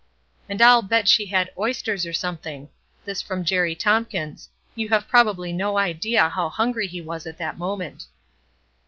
"And I'll bet she had oysters or something!" This from Jerry Tompkins; you have probably no idea how hungry he was at that moment.